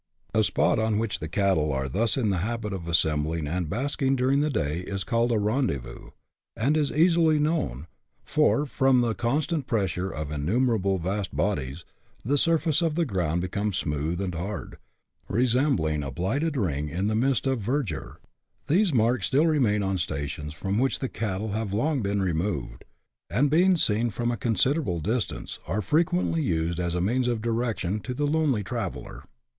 A spot on which cattle are thus in the habit of assembling and basking during the day is called a " rendezvous," and is easily known, for, from the constant pressure of innumerable vast bodies, the surface of the ground becomes smooth and hard, resembling a blighted ring in the midst of verdure ; these marks still remain on stations from which the cattle have long been removed, and being seen from a considerable distance, are frequently used as a means of direction to the lonely traveller.